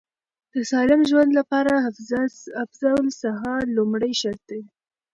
د سالم ژوند لپاره حفظ الصحه لومړی شرط دی.